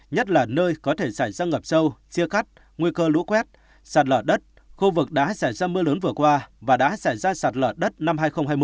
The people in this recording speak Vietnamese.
nhất là nơi có thể xảy ra ngập sâu chia cắt nguy cơ lũ quét sạt lở đất khu vực đã xảy ra mưa lớn vừa qua và đã xảy ra sạt lở đất năm hai nghìn hai mươi